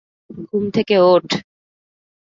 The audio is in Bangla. ঘুম থেকে ওঠ!